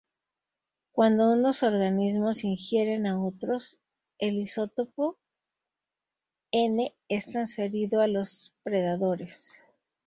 Cuando unos organismos ingieren a otros, el isótopo N es transferido a los predadores.